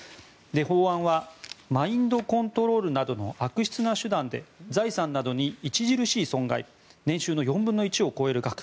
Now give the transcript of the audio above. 法案はマインドコントロールなどの悪質な手段で財産などに著しい損害年収の４分の１を超える額